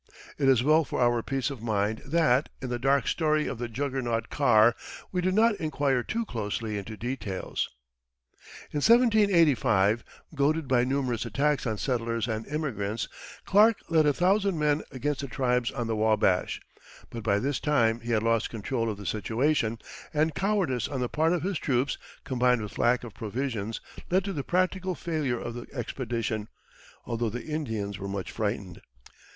It is well for our peace of mind that, in the dark story of the Juggernaut car, we do not inquire too closely into details. In 1785, goaded by numerous attacks on settlers and immigrants, Clark led a thousand men against the tribes on the Wabash; but by this time he had lost control of the situation, and cowardice on the part of his troops, combined with lack of provisions, led to the practical failure of the expedition, although the Indians were much frightened.